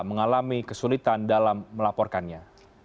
mengalami kesulitan dalam melaporkannya